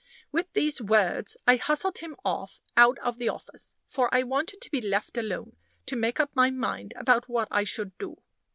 With these words I hustled him off out of the office, for I wanted to be left alone to make my mind up about what I should do.